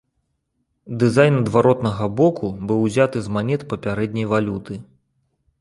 Дызайн адваротнага боку быў узяты з манет папярэдняй валюты.